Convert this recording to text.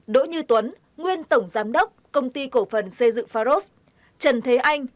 đỗ như tuấn nguyên tổng giám đốc công ty cổ phần xây dựng pharos trần thế anh